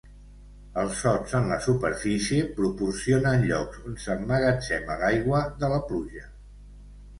Els sots en la superfície proporcionen llocs on s'emmagatzema l'aigua de la pluja.